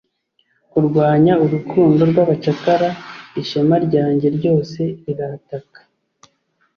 Kurwanya urukundo rwabacakara ishema ryanjye ryose rirataka